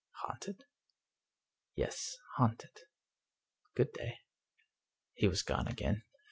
"Haunted?" " Yes, haunted. Good day." He was gone again.